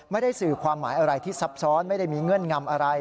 ไม่ได้สื่อความหมายอะไรที่ซับซ้อนไม่ได้มีเงื่อนงำอะไร